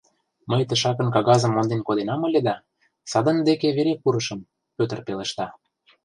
Мый тышакын кагазым монден коденам ыле да, садын деке веле пурышым, — Пӧтыр пелешта.